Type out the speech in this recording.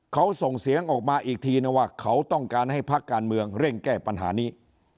เขาส่งเสียงออกมาอีกทีนึงว่าเขาต้องการให้พักการเมืองเร่งแก้ปัญหานี้